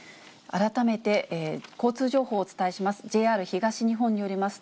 改めて交通情報をお伝えします。